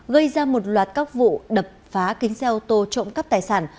gây ra một loạt các vụ đập phá kính xe ô tô trộm cắp tài sản